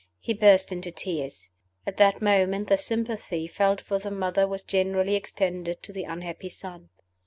He burst into tears. At that moment the sympathy felt for the mother was generally extended to the unhappy son.